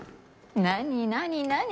何何何？